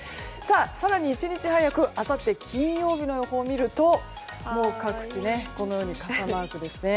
さらに１日早くあさって金曜日の予報を見るともう、各地でこのように傘マークですね。